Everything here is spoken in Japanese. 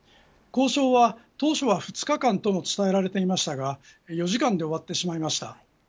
交渉は当初は２日間と付託されていましたが４時間で終わってしまいました。